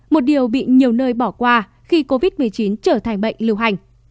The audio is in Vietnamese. một điều bị nhiều nơi bỏ qua khi covid một mươi chín trở thành bệnh lưu hành